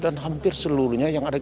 dan hampir seluruhnya yang ada